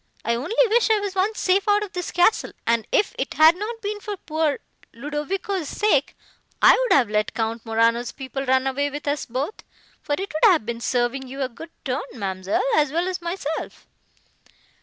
I only wish I was once safe out of this castle; and, if it had not been for poor Ludovico's sake, I would have let Count Morano's people run away with us both, for it would have been serving you a good turn, ma'amselle, as well as myself."